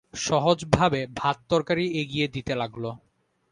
সহজভাবে ভাত-তরকারি এগিয়ে দিতে লাগল।